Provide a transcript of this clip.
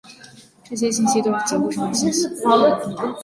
这些信息都是结构上的信息。